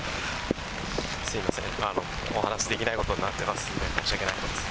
すみません、お話しできないことになってますんで、申し訳ないです。